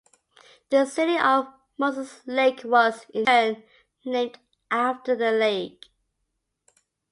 The city of Moses Lake was, in turn, named after the lake.